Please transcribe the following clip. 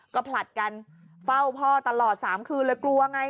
ก็ผลัดกันเฝ้าพ่อตลอด๓คืนเลยกลัวไง